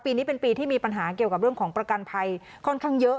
นี้เป็นปีที่มีปัญหาเกี่ยวกับเรื่องของประกันภัยค่อนข้างเยอะ